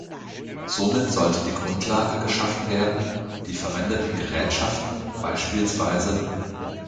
Somit sollte die Grundlage geschaffen werden, die verwendeten Gerätschaften, bspw.